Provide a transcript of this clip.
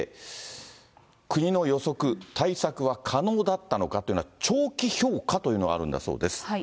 国の予測、対策は可能だったのかっていうのは、長期評価というのがあるんだそうです。